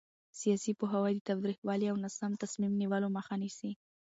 سیاسي پوهاوی د تاوتریخوالي او ناسم تصمیم نیولو مخه نیسي